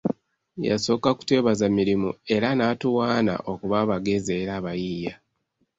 Yasooka kutwebaza mirimu era n'atuwaana okuba abagezi era abayiiya.